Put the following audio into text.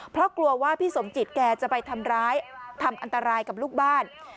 เพราะกลัวว่าพี่สมจิตแกจะไปทำร้ายทำอันตรายกับลูกบ้าน